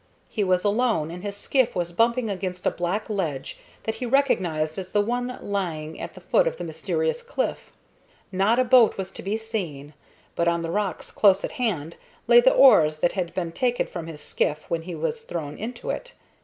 He was alone, and his skiff was bumping against a black ledge that he recognized as the one lying at the foot of the mysterious cliff. Not a boat was to be seen, but on the rocks close at hand lay the oars that had been taken from his skiff when he was thrown into it.